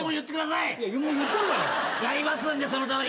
やりますんでそのとおり。